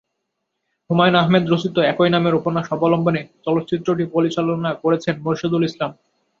হুমায়ূন আহমেদ রচিত "একই নামের" উপন্যাস অবলম্বনে চলচ্চিত্রটি পরিচালনা করেছেন মোরশেদুল ইসলাম।